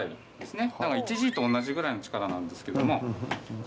１Ｇと同じぐらいの力なんですけども。